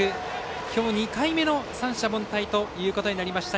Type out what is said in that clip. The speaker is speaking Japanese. きょう２回目の三者凡退ということになりました。